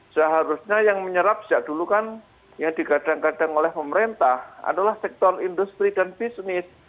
seharusnya yang menyerap sejak dulu kan yang digadang gadang oleh pemerintah adalah sektor industri dan bisnis